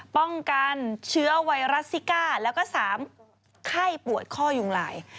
ป้องกันเชื้อไวรัสซิก้าแล้วก็๓ไข้ปวดข้อยุงลาย